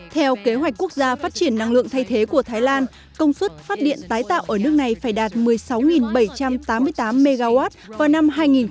theo kế hoạch quốc gia phát triển năng lượng thay thế của thái lan công suất phát điện tái tạo ở nước này phải đạt một mươi sáu bảy trăm tám mươi tám mw vào năm hai nghìn hai mươi